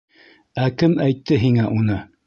Ә кем әйтте һиңә уны?